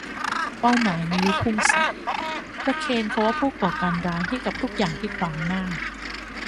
เป้าหมายมีไว้พุ่งใส่ ประเคนคำว่าผู้ก่อการร้ายให้กับทุกอย่างที่ขวางหน้า